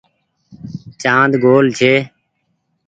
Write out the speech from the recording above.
چآند گول ڇي ۔